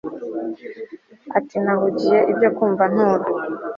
Ati Nahugiye ibyo kwumva Nturo